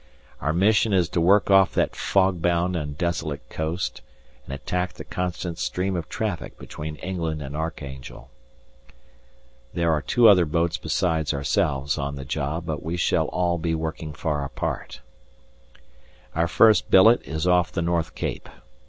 Our mission is to work off that fogbound and desolate coast, and attack the constant stream of traffic between England and Archangel. There are two other boats besides ourselves on the job, but we shall all be working far apart. Our first billet is off the North Cape.